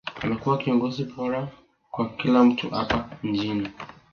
amekuwa kiongozi bora kwa kila mtu hapa nchini